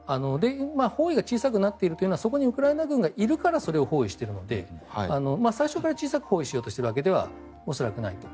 包囲が小さくなっているというのはそこにウクライナ軍がいるからそれを包囲しているので最初から小さく包囲しているわけでは恐らくないと。